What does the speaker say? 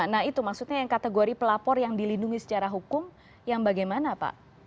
nah itu maksudnya yang kategori pelapor yang dilindungi secara hukum yang bagaimana pak